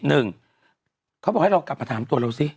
หนึ่งเขาบอกให้เรากลับมาถามตัวเราสิ